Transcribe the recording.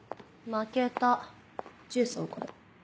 負けたジュースおごる。